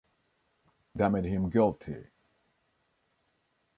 That made him guilty.